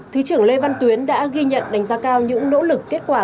thứ trưởng lê văn tuyến đã ghi nhận đánh giá cao những nỗ lực kết quả